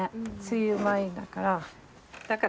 梅雨前だから。